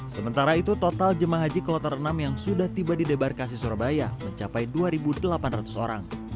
sementara itu total jemaah haji kloter enam yang sudah tiba di debarkasi surabaya mencapai dua delapan ratus orang